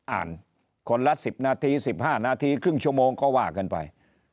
อ่านคนละ๑๐นาที๑๕นาทีครึ่งชั่วโมงก็ว่ากันไป